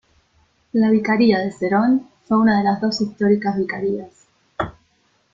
La Vicaría de Serón fue una de las dos históricas Vicarías.